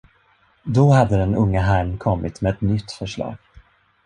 Då hade den unga herrn kommit med ett nytt förslag.